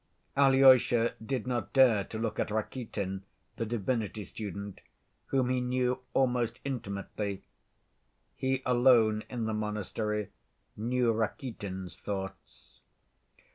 Alyosha did not dare to look at Rakitin, the divinity student, whom he knew almost intimately. He alone in the monastery knew Rakitin's thoughts.